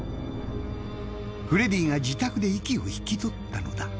フレディが自宅で息を引き取ったのだ。